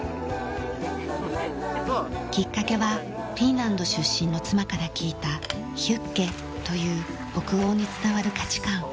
きっかけはフィンランド出身の妻から聞いた「ヒュッゲ」という北欧に伝わる価値観。